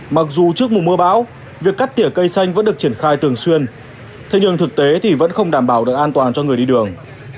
mặc dù trước mùa mưa bão việc cắt tỉa cây xanh vẫn được triển khai thường xuyên thế nhưng thực tế thì vẫn không đảm bảo được an toàn cho người đi đường